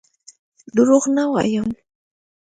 دروغ نه وایم.